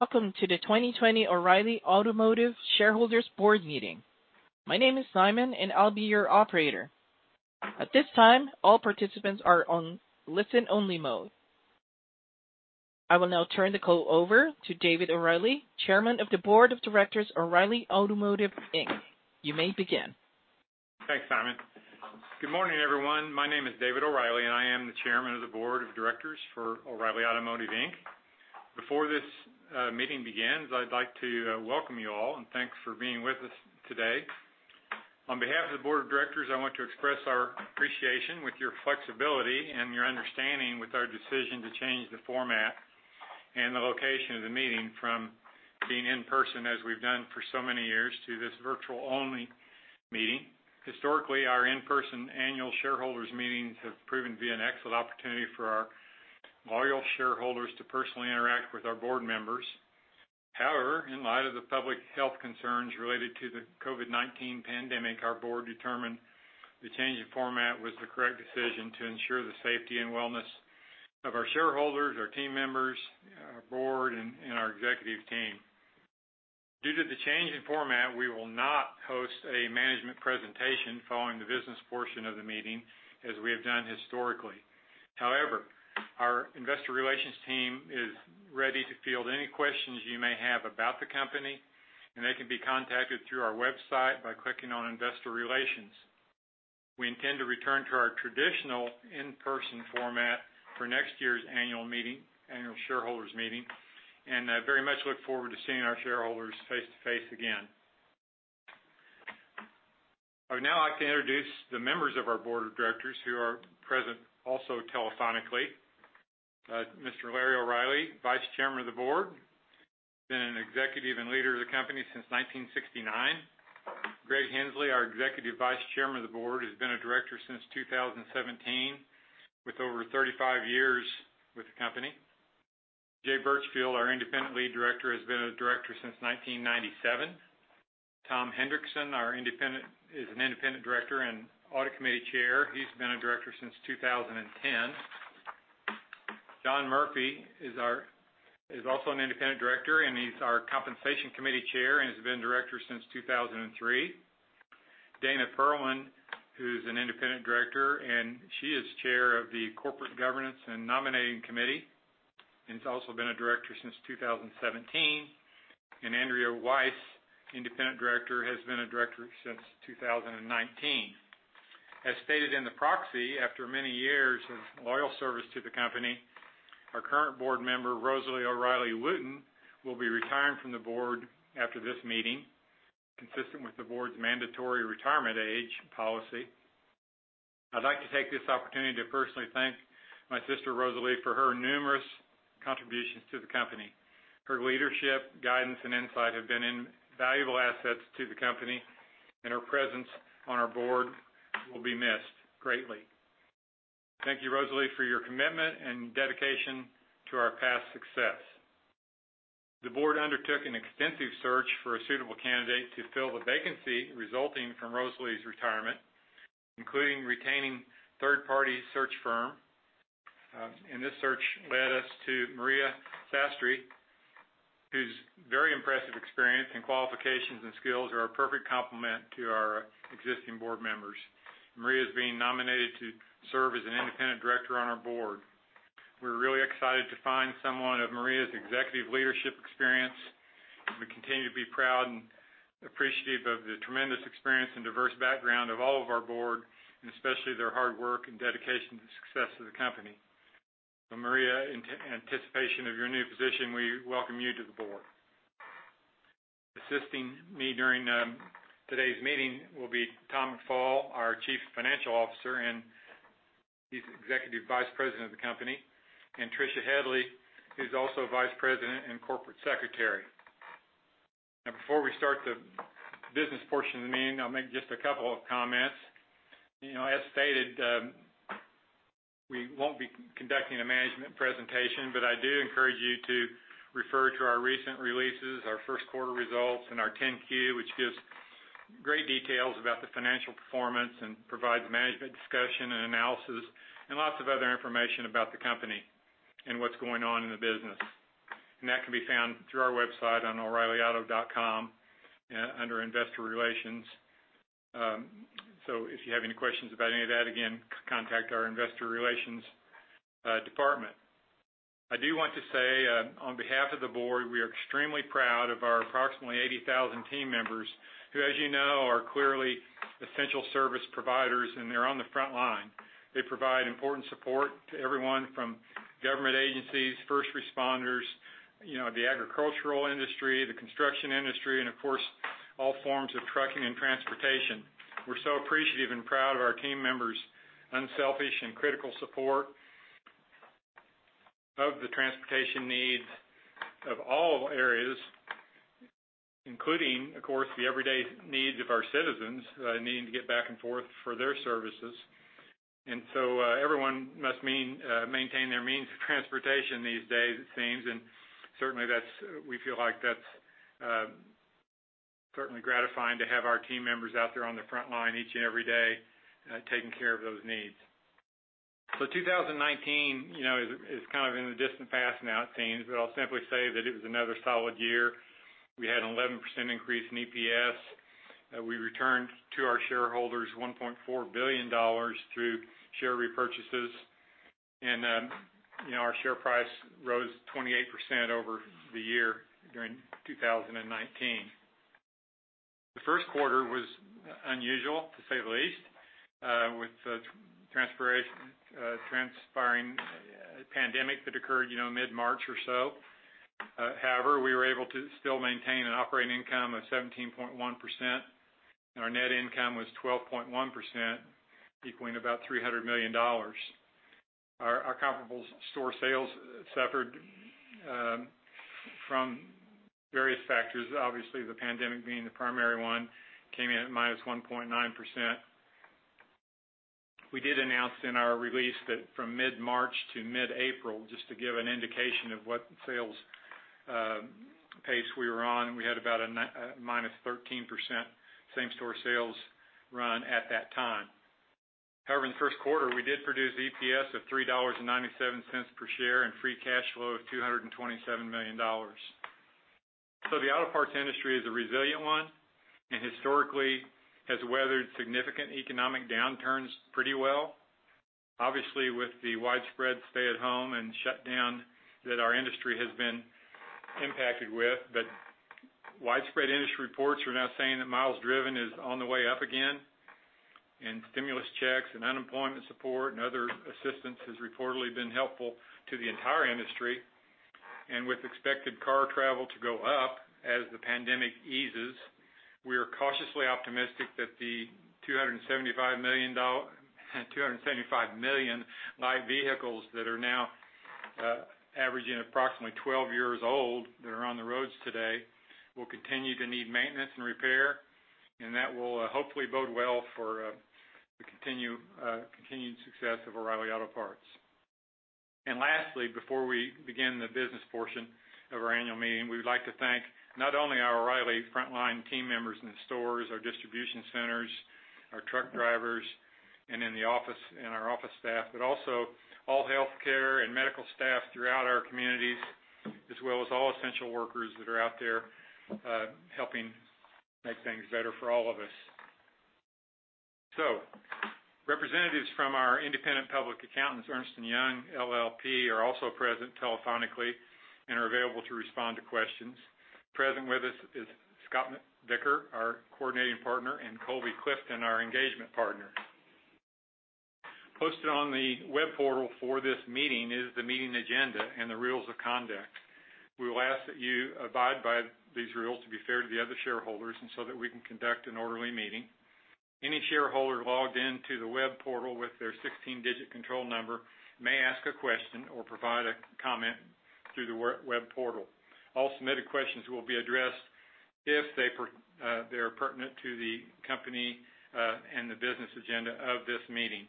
Welcome to the 2020 O'Reilly Automotive Shareholders Board Meeting. My name is Simon, and I'll be your operator. At this time, all participants are on listen-only mode. I will now turn the call over to David O'Reilly, Chairman of the Board of Directors, O'Reilly Automotive, Inc. You may begin. Thanks, Simon. Good morning, everyone. My name is David O’Reilly, and I am the Chairman of the Board of Directors for O’Reilly Automotive, Inc. Before this meeting begins, I'd like to welcome you all, and thanks for being with us today. On behalf of the board of directors, I want to express our appreciation with your flexibility and your understanding with our decision to change the format and the location of the meeting from being in-person, as we've done for so many years, to this virtual-only meeting. Historically, our in-person annual shareholders meetings have proven to be an excellent opportunity for our loyal shareholders to personally interact with our board members. However, in light of the public health concerns related to the COVID-19 pandemic, our board determined the change in format was the correct decision to ensure the safety and wellness of our shareholders, our team members, our board, and our executive team. Due to the change in format, we will not host a management presentation following the business portion of the meeting, as we have done historically. Our investor relations team is ready to field any questions you may have about the company, and they can be contacted through our website by clicking on Investor Relations. We intend to return to our traditional in-person format for next year's annual shareholders meeting, and I very much look forward to seeing our shareholders face-to-face again. I would now like to introduce the members of our board of directors who are present, also telephonically. Mr. Larry O'Reilly, Vice Chairman of the Board, been an executive and leader of the company since 1969. Greg Henslee, our Executive Vice Chairman of the Board, has been a director since 2017, with over 35 years with the company. Jay Burchfield, our independent lead director, has been a director since 1997. Tom Hendrickson is an independent director and Audit Committee Chair. He's been a director since 2010. John Murphy is also an independent director, he's our Compensation Committee Chair, and has been director since 2003. Dana Perlman, who's an independent director, she is Chair of the Corporate Governance and Nominating Committee, and has also been a director since 2017. Andrea Weiss, independent director, has been a director since 2019. As stated in the proxy, after many years of loyal service to the company, our current board member, Rosalie O'Reilly Wooten, will be retiring from the board after this meeting, consistent with the board's mandatory retirement age policy. I'd like to take this opportunity to personally thank my sister, Rosalie, for her numerous contributions to the company. Her leadership, guidance, and insight have been invaluable assets to the company, and her presence on our board will be missed greatly. Thank you, Rosalie, for your commitment and dedication to our past success. The board undertook an extensive search for a suitable candidate to fill the vacancy resulting from Rosalie's retirement, including retaining third-party search firm. This search led us to Maria Sastre, whose very impressive experience and qualifications and skills are a perfect complement to our existing board members. Maria is being nominated to serve as an independent director on our board. We're really excited to find someone of Maria's executive leadership experience, and we continue to be proud and appreciative of the tremendous experience and diverse background of all of our board, and especially their hard work and dedication to the success of the company. Maria, in anticipation of your new position, we welcome you to the board. Assisting me during today's meeting will be Tom McFall, our Chief Financial Officer, and he's Executive Vice President of the company, and Tricia Headley, who's also Vice President and Corporate Secretary. Before we start the business portion of the meeting, I'll make just a couple of comments. As stated, we won't be conducting a management presentation, but I do encourage you to refer to our recent releases, our first quarter results, and our 10-Q, which gives great details about the financial performance, provides management discussion and analysis and lots of other information about the company and what's going on in the business. That can be found through our website on oreillyauto.com, under Investor Relations. If you have any questions about any of that, again, contact our investor relations department. I do want to say, on behalf of the board, we are extremely proud of our approximately 80,000 team members, who, as you know, are clearly essential service providers, and they're on the front line. They provide important support to everyone from government agencies, first responders, the agricultural industry, the construction industry, and of course, all forms of trucking and transportation. We're so appreciative and proud of our team members' unselfish and critical support of the transportation needs of all areas, including, of course, the everyday needs of our citizens needing to get back and forth for their services. Everyone must maintain their means of transportation these days, it seems. Certainly, we feel like that's certainly gratifying to have our team members out there on the front line each and every day taking care of those needs. 2019 is kind of in the distant past now it seems, but I'll simply say that it was another solid year. We had an 11% increase in EPS. We returned to our shareholders $1.4 billion through share repurchases, and our share price rose 28% over the year during 2019. The first quarter was unusual, to say the least, with the transpiring pandemic that occurred mid-March or so. However, we were able to still maintain an operating income of 17.1%, and our net income was 12.1%, equaling about $300 million. Our comparable store sales suffered from various factors, obviously the COVID-19 being the primary one, came in at -1.9%. We did announce in our release that from mid-March to mid-April, just to give an indication of what sales pace we were on, we had about a -13% same-store sales run at that time. However, in the first quarter, we did produce EPS of $3.97 per share and free cash flow of $227 million. The auto parts industry is a resilient one, and historically has weathered significant economic downturns pretty well. Obviously, with the widespread stay-at-home and shutdown that our industry has been impacted with. Widespread industry reports are now saying that miles driven is on the way up again, and stimulus checks and unemployment support and other assistance has reportedly been helpful to the entire industry. With expected car travel to go up as the pandemic eases, we are cautiously optimistic that the 275 million light vehicles that are now averaging approximately 12 years old that are on the roads today will continue to need maintenance and repair, and that will hopefully bode well for the continued success of O’Reilly Auto Parts. Lastly, before we begin the business portion of our annual meeting, we would like to thank not only our O'Reilly frontline team members in the stores, our distribution centers, our truck drivers, and our office staff, but also all healthcare and medical staff throughout our communities, as well as all essential workers that are out there helping make things better for all of us. Representatives from our independent public accountants, Ernst & Young LLP, are also present telephonically and are available to respond to questions. Present with us is Scott Dicker, our coordinating partner, and Colby Clifton, our engagement partner. Posted on the web portal for this meeting is the meeting agenda and the rules of conduct. We will ask that you abide by these rules to be fair to the other shareholders and so that we can conduct an orderly meeting. Any shareholder logged into the web portal with their 16-digit control number may ask a question or provide a comment through the web portal. All submitted questions will be addressed if they are pertinent to the company and the business agenda of this meeting.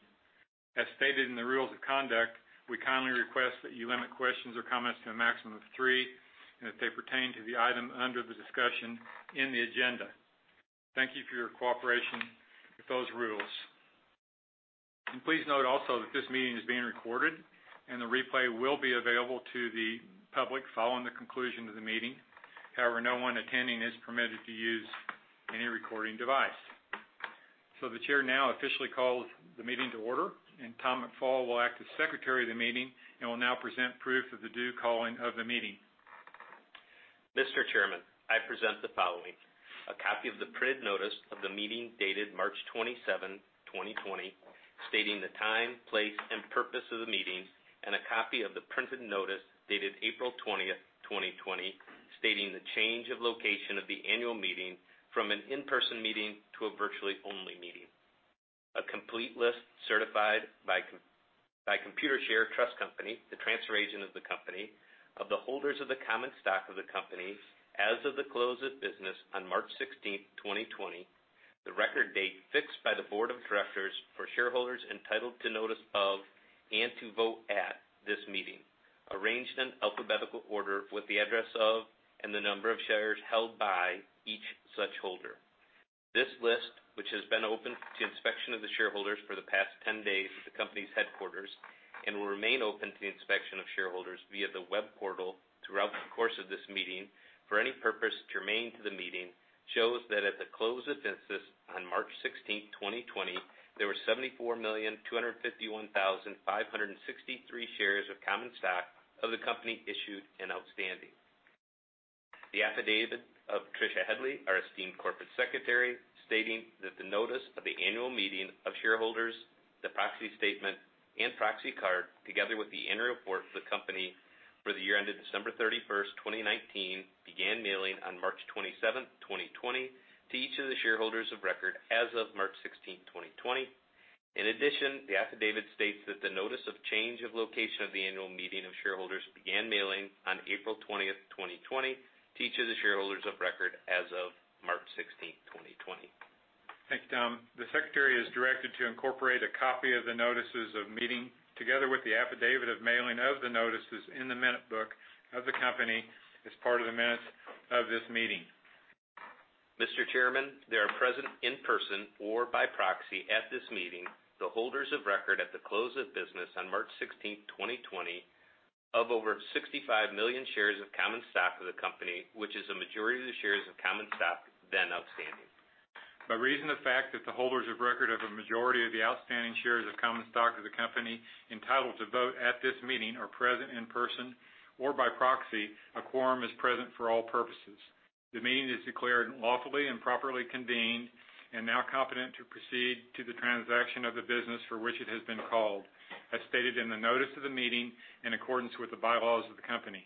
As stated in the rules of conduct, we kindly request that you limit questions or comments to a maximum of three and that they pertain to the item under the discussion in the agenda. Thank you for your cooperation with those rules. Please note also that this meeting is being recorded, and the replay will be available to the public following the conclusion of the meeting. However, no one attending is permitted to use any recording device. The chair now officially calls the meeting to order, and Tom McFall will act as secretary of the meeting and will now present proof of the due calling of the meeting. Mr. Chairman, I present the following. A copy of the printed notice of the meeting dated March 27, 2020, stating the time, place, and purpose of the meeting, and a copy of the printed notice dated April 20, 2020, stating the change of location of the annual meeting from an in-person meeting to a virtually only meeting. A complete list certified by Computershare Trust Company, the transfer agent of the company, of the holders of the common stock of the company as of the close of business on March 16, 2020, the record date fixed by the board of directors for shareholders entitled to notice of, and to vote at, this meeting, arranged in alphabetical order with the address of, and the number of shares held by, each such holder. This list, which has been open to inspection of the shareholders for the past 10 days at the company's headquarters and will remain open to the inspection of shareholders via the web portal throughout the course of this meeting for any purpose germane to the meeting, shows that at the close of business on March 16, 2020, there were 74,251,563 shares of common stock of the company issued and outstanding. The affidavit of Tricia Headley, our esteemed Corporate Secretary, stating that the notice of the annual meeting of shareholders, the proxy statement, and proxy card, together with the annual report of the company for the year ended December 31, 2019, began mailing on March 27, 2020, to each of the shareholders of record as of March 16, 2020. In addition, the affidavit states that the notice of change of location of the annual meeting of shareholders began mailing on April 20, 2020, to each of the shareholders of record as of March 16, 2020. Thank you, Tom. The secretary is directed to incorporate a copy of the notices of meeting, together with the affidavit of mailing of the notices in the minute book of the company as part of the minutes of this meeting. Mr. Chairman, they are present in person or by proxy at this meeting, the holders of record at the close of business on March 16, 2020, of over 65 million shares of common stock of the company, which is a majority of the shares of common stock then outstanding. By reason of the fact that the holders of record of a majority of the outstanding shares of common stock of the company entitled to vote at this meeting are present in person or by proxy, a quorum is present for all purposes. The meeting is declared lawfully and properly convened, and now competent to proceed to the transaction of the business for which it has been called, as stated in the notice of the meeting in accordance with the bylaws of the company.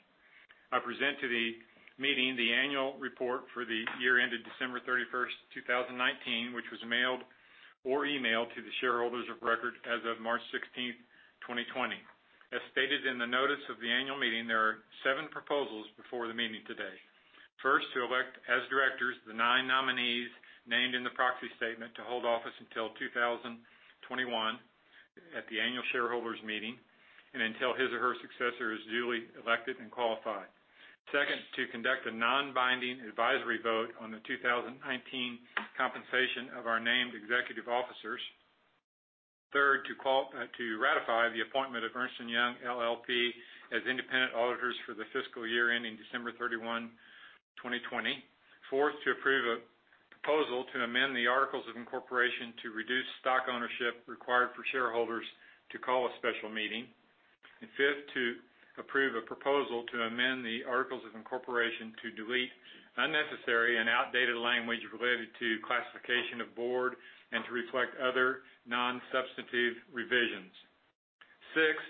I present to the meeting the annual report for the year ended December 31st, 2019, which was mailed or emailed to the shareholders of record as of March 16th, 2020. As stated in the notice of the annual meeting, there are seven proposals before the meeting today. First, to elect as directors the nine nominees named in the proxy statement to hold office until 2021 at the annual shareholders meeting, and until his or her successor is duly elected and qualified. Second, to conduct a non-binding advisory vote on the 2019 compensation of our named executive officers. Third, to ratify the appointment of Ernst & Young LLP as independent auditors for the fiscal year ending December 31, 2020. Fourth, to approve a proposal to amend the articles of incorporation to reduce stock ownership required for shareholders to call a special meeting. Fifth, to approve a proposal to amend the articles of incorporation to delete unnecessary and outdated language related to classification of board and to reflect other non-substantive revisions. Sixth,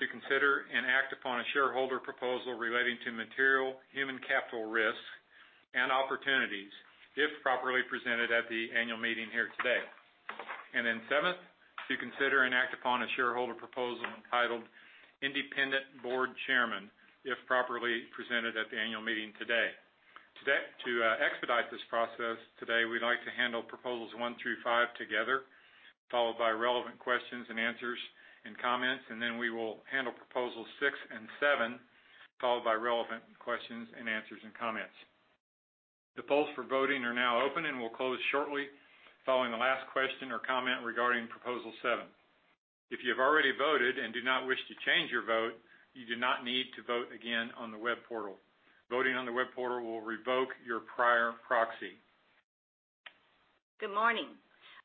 to consider and act upon a shareholder proposal relating to material human capital risks and opportunities, if properly presented at the annual meeting here today. Seventh, to consider and act upon a shareholder proposal entitled Independent Board Chairman, if properly presented at the annual meeting today. To expedite this process today, we'd like to handle proposals one through five together, followed by relevant questions and answers and comments, and then we will handle proposals six and seven, followed by relevant questions and answers and comments. The polls for voting are now open and will close shortly following the last question or comment regarding proposal seven. If you have already voted and do not wish to change your vote, you do not need to vote again on the web portal. Voting on the web portal will revoke your prior proxy. Good morning.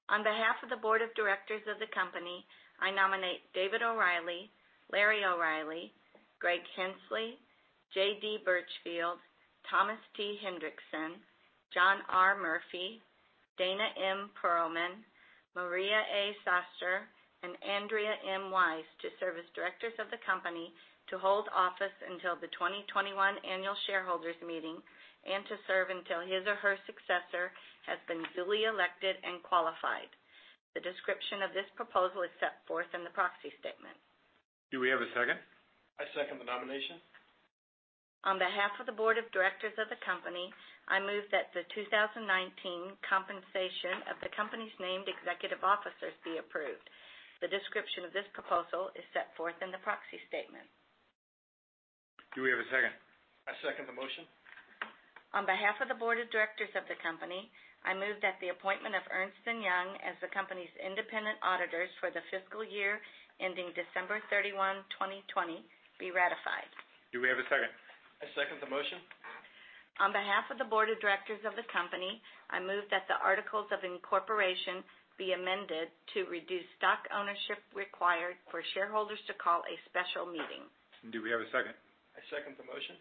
On behalf of the board of directors of the company, I nominate David O'Reilly, Larry O'Reilly, Greg Henslee, J.D. Burchfield, Thomas T. Hendrickson, John R. Murphy, Dana M. Perlman, Maria A. Sastre, and Andrea M. Weiss to serve as directors of the company, to hold office until the 2021 annual shareholders meeting, and to serve until his or her successor has been duly elected and qualified. The description of this proposal is set forth in the proxy statement. Do we have a second? I second the nomination. On behalf of the board of directors of the company, I move that the 2019 compensation of the company's named executive officers be approved. The description of this proposal is set forth in the proxy statement. Do we have a second? I second the motion. On behalf of the board of directors of the company, I move that the appointment of Ernst & Young as the company's independent auditors for the fiscal year ending December 31, 2020, be ratified. Do we have a second? I second the motion. On behalf of the board of directors of the company, I move that the articles of incorporation be amended to reduce stock ownership required for shareholders to call a special meeting. Do we have a second? I second the motion.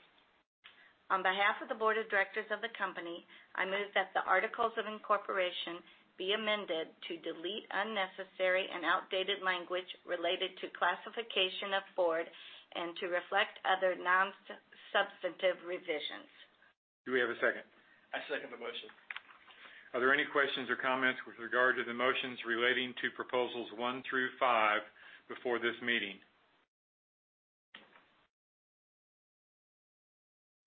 On behalf of the board of directors of the company, I move that the articles of incorporation be amended to delete unnecessary and outdated language related to classification of board and to reflect other non-substantive revisions. Do we have a second? I second the motion. Are there any questions or comments with regard to the motions relating to proposals 1 through 5 before this meeting?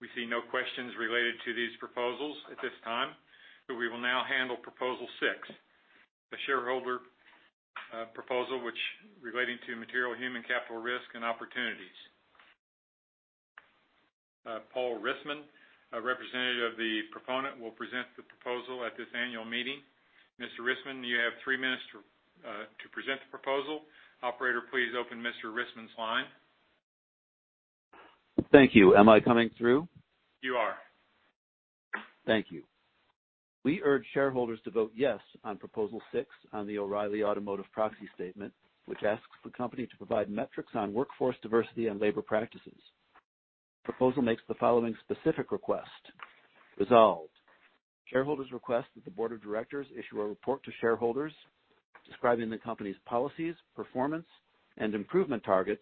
We see no questions related to these proposals at this time. We will now handle proposal 6, a shareholder proposal relating to material human capital risk and opportunities. Paul Rissman, a representative of the proponent, will present the proposal at this annual meeting. Mr. Rissman, you have 3 minutes to present the proposal. Operator, please open Mr. Rissman's line. Thank you. Am I coming through? You are. Thank you. We urge shareholders to vote yes on proposal six on the O'Reilly Automotive proxy statement, which asks the company to provide metrics on workforce diversity and labor practices. Proposal makes the following specific request. Resolved, shareholders request that the board of directors issue a report to shareholders describing the company's policies, performance, and improvement targets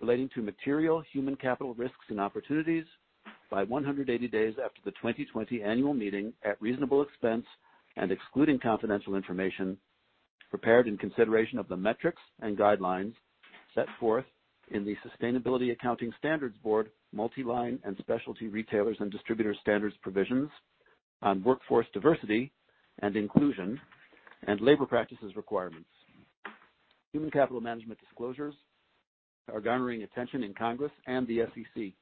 relating to material human capital risks and opportunities by 180 days after the 2020 annual meeting at reasonable expense and excluding confidential information. Prepared in consideration of the metrics and guidelines set forth in the Sustainability Accounting Standards Board, multiline and specialty retailers and distributors standards provisions on workforce diversity and inclusion and labor practices requirements. Human capital management disclosures are garnering attention in Congress and the SEC.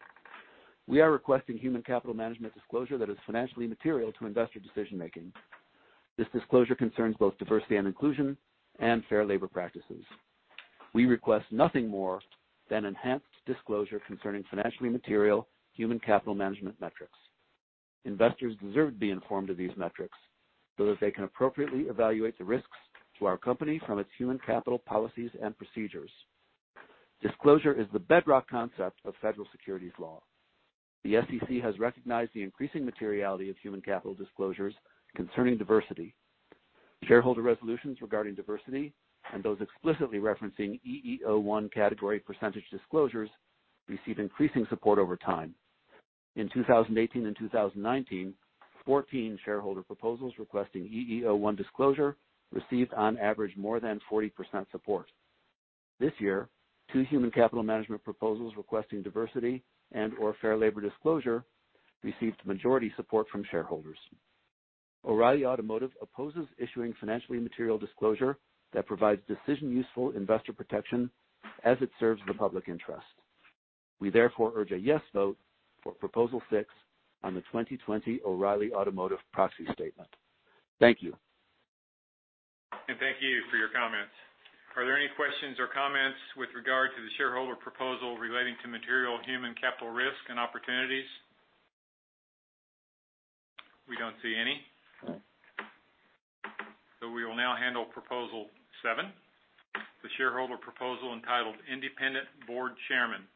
We are requesting human capital management disclosure that is financially material to investor decision-making. This disclosure concerns both diversity and inclusion and fair labor practices. We request nothing more than enhanced disclosure concerning financially material human capital management metrics. Investors deserve to be informed of these metrics so that they can appropriately evaluate the risks to our company from its human capital policies and procedures. Disclosure is the bedrock concept of federal securities law. The SEC has recognized the increasing materiality of human capital disclosures concerning diversity. Shareholder resolutions regarding diversity and those explicitly referencing EEO-1 category percentage disclosures receive increasing support over time. In 2018 and 2019, 14 shareholder proposals requesting EEO-1 disclosure received on average more than 40% support. This year, two human capital management proposals requesting diversity and/or fair labor disclosure received majority support from shareholders. O’Reilly Automotive opposes issuing financially material disclosure that provides decision-useful investor protection as it serves the public interest. We therefore urge a yes vote for proposal six on the 2020 O’Reilly Automotive proxy statement. Thank you. Thank you for your comments. Are there any questions or comments with regard to the shareholder proposal relating to material human capital risk and opportunities? We don't see any. We will now handle proposal 7, the shareholder proposal entitled Independent Board Chairman.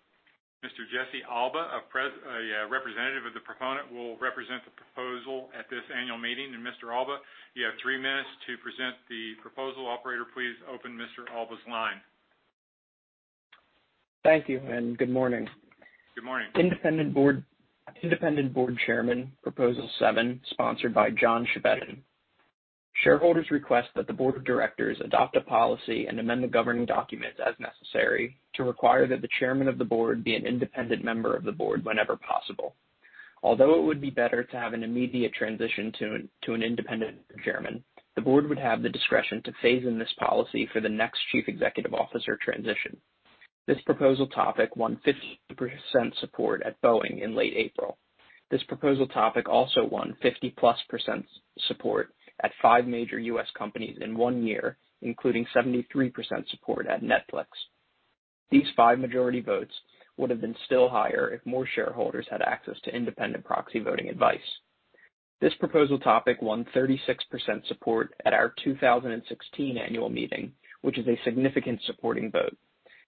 Mr. Jesse Alba, a representative of the proponent, will represent the proposal at this annual meeting and Mr. Alba, you have three minutes to present the proposal. Operator, please open Mr. Alba's line. Thank you, and good morning. Good morning. Independent Board Chairman, proposal seven, sponsored by John Chevedden. Shareholders request that the board of directors adopt a policy and amend the governing documents as necessary to require that the chairman of the board be an independent member of the board whenever possible. It would be better to have an immediate transition to an independent chairman, the board would have the discretion to phase in this policy for the next chief executive officer transition. This proposal topic won 50% support at Boeing in late April. This proposal topic also won 50-plus % support at five major U.S. companies in one year, including 73% support at Netflix. These five majority votes would have been still higher if more shareholders had access to independent proxy voting advice. This proposal topic won 36% support at our 2016 annual meeting, which is a significant supporting vote.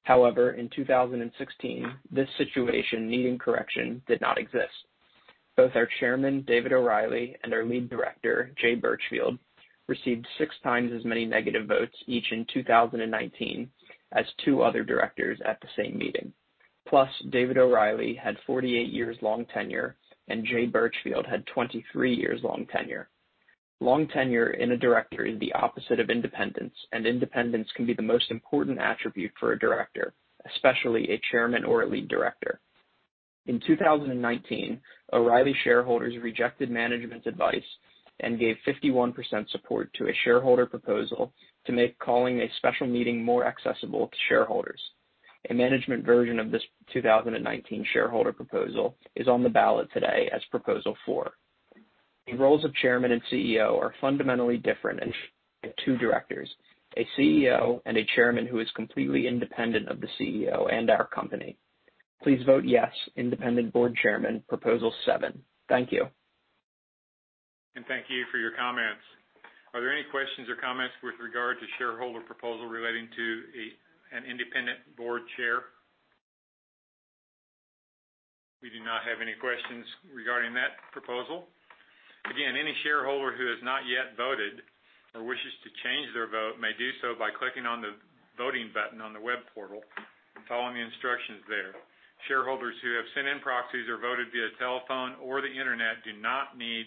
In 2016, this situation needing correction did not exist. Both our chairman, David O’Reilly, and our lead director, Jay Burchfield, received 6 times as many negative votes each in 2019 as two other directors at the same meeting. David O’Reilly had 48 years long tenure, and Jay Burchfield had 23 years long tenure. Long tenure in a director is the opposite of independence, and independence can be the most important attribute for a director, especially a chairman or a lead director. In 2019, O'Reilly shareholders rejected management advice and gave 51% support to a shareholder proposal to make calling a special meeting more accessible to shareholders. A management version of this 2019 shareholder proposal is on the ballot today as proposal 4. The roles of chairman and CEO are fundamentally different and should be two directors, a CEO, and a chairman who is completely independent of the CEO and our company. Please vote yes, Independent Board Chairman, proposal seven. Thank you. Thank you for your comments. Are there any questions or comments with regard to shareholder proposal relating to an independent board chair? We do not have any questions regarding that proposal. Again, any shareholder who has not yet voted or wishes to change their vote may do so by clicking on the voting button on the web portal and following the instructions there. Shareholders who have sent in proxies or voted via telephone or the internet do not need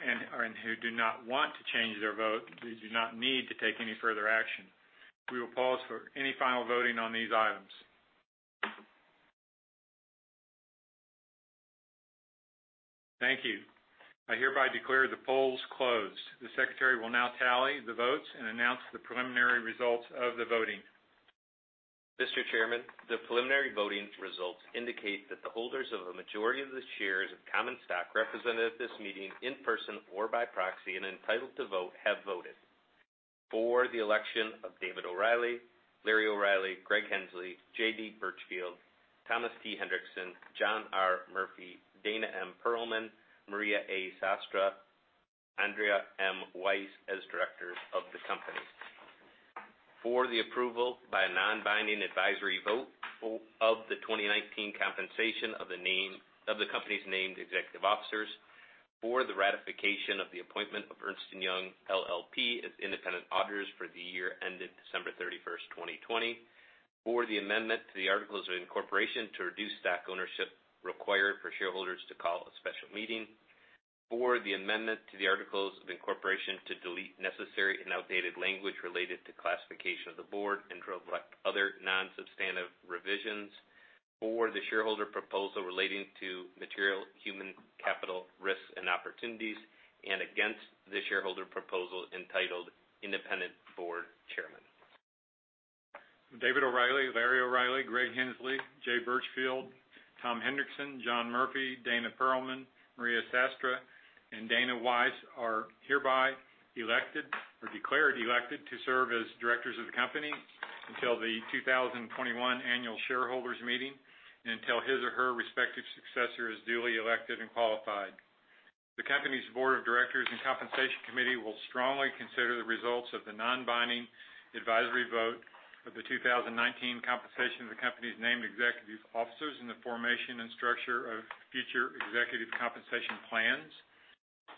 and who do not want to change their vote, do not need to take any further action. We will pause for any final voting on these items. Thank you. I hereby declare the polls closed. The secretary will now tally the votes and announce the preliminary results of the voting. Mr. Chairman, the preliminary voting results indicate that the holders of a majority of the shares of common stock represented at this meeting in person or by proxy and entitled to vote have voted for the election of David O’Reilly, Larry O’Reilly, Greg Henslee, J.D. Burchfield, Thomas T. Hendrickson, John R. Murphy, Dana M. Perlman, Maria A. Sastre, Andrea M. Weiss as directors of the company, for the approval by a non-binding advisory vote of the 2019 compensation of the company’s named executive officers for the ratification of the appointment of Ernst & Young LLP as independent auditors for the year 2020. For the amendment to the Articles of Incorporation to reduce stock ownership required for shareholders to call a special meeting. For the amendment to the Articles of Incorporation to delete unnecessary and outdated language related to classification of the board and to reflect other non-substantive revisions. For the shareholder proposal relating to material human capital risks and opportunities, and against the shareholder proposal entitled Independent Board Chairman. David O’Reilly, Larry O’Reilly, Greg Henslee, Jay Burchfield, Tom Hendrickson, John Murphy, Dana M. Perlman, Maria Sastre, and Dana Weiss are hereby elected or declared elected to serve as directors of the company until the 2021 annual shareholders meeting and until his or her respective successor is duly elected and qualified. The company’s board of directors and compensation committee will strongly consider the results of the non-binding advisory vote of the 2019 compensation of the company’s named executive officers in the formation and structure of future executive compensation plans.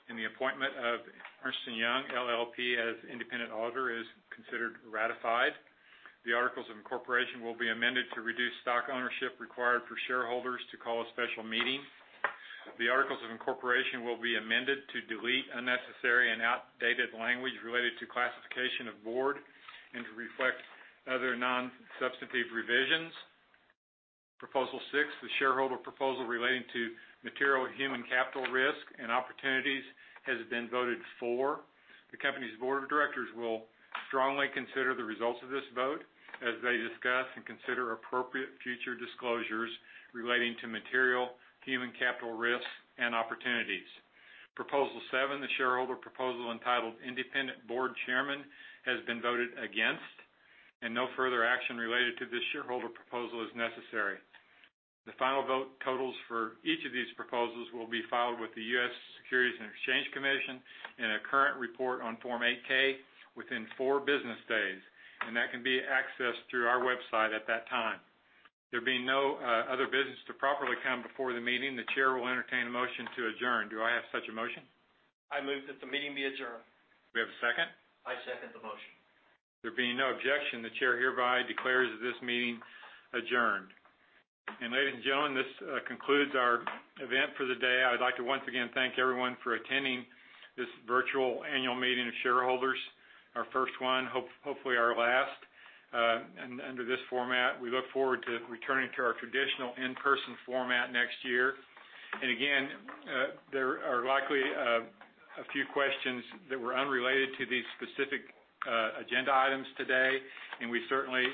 The appointment of Ernst & Young LLP as independent auditor is considered ratified. The Articles of Incorporation will be amended to reduce stock ownership required for shareholders to call a special meeting. The Articles of Incorporation will be amended to delete unnecessary and outdated language related to classification of board and to reflect other non-substantive revisions. Proposal six, the shareholder proposal relating to material human capital risk and opportunities, has been voted for. The company’s board of directors will strongly consider the results of this vote as they discuss and consider appropriate future disclosures relating to material human capital risks and opportunities. Proposal seven, the shareholder proposal entitled Independent Board Chairman, has been voted against, and no further action related to this shareholder proposal is necessary. The final vote totals for each of these proposals will be filed with the U.S. Securities and Exchange Commission in a current report on Form 8-K within four business days, and that can be accessed through our website at that time. There being no other business to properly come before the meeting, the chair will entertain a motion to adjourn. Do I have such a motion? I move that the meeting be adjourned. Do we have a second? I second the motion. There being no objection, the chair hereby declares this meeting adjourned. Ladies and gentlemen, this concludes our event for the day. I would like to once again thank everyone for attending this virtual annual meeting of shareholders, our first one, hopefully our last under this format. We look forward to returning to our traditional in-person format next year. Again, there are likely a few questions that were unrelated to these specific agenda items today, and we certainly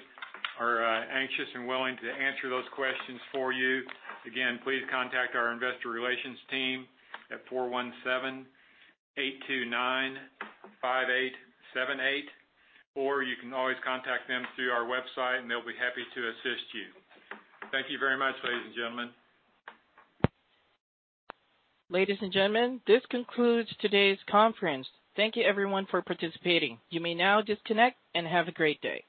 are anxious and willing to answer those questions for you. Again, please contact our investor relations team at 417-829-5878, or you can always contact them through our website, and they’ll be happy to assist you. Thank you very much, ladies and gentlemen. Ladies and gentlemen, this concludes today’s conference. Thank you everyone for participating. You may now disconnect and have a great day.